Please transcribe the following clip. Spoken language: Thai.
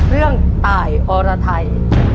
เรื่องตายอรไทย